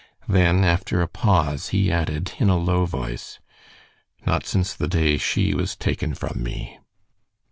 Then, after a pause, he added, in a low voice, "Not since the day she was taken from me."